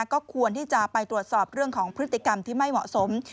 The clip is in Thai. ก็ควรที่จะไปตรวจสอบเรื่องของพฤติกรรมที่ไม่เหมาะสม